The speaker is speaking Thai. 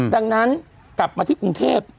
ดังนั้นกลับมาที่กรุงเทพ